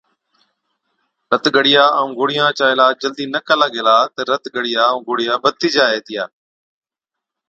رت ڳڙِيا ائُون گوڙهِيان چا عِلاج جلدِي نہ ڪلا گيلا تہ رت ڳڙِيا ائُون گوڙهِيا بڌتِي جائي هِتِيا۔